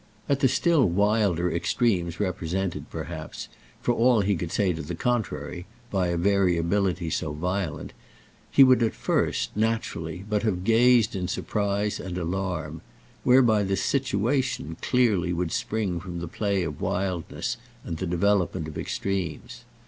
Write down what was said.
At the still wilder extremes represented perhaps, for all he could say to the contrary, by a variability so violent, he would at first, naturally, but have gazed in surprise and alarm; whereby the situation clearly would spring from the play of wildness and the development of extremes.